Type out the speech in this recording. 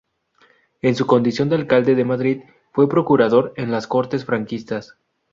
En su condición de alcalde de Madrid fue procurador en las Cortes franquistas.